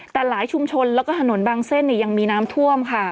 แต่หลายชุมชนแล้วก็ถนนบางเส้นยังมีน้ำท่วมค่ะ